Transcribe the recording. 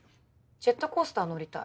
ジェットコースター乗りたい。